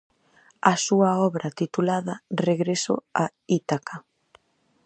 A súa obra titulada "Regreso a Ítaca".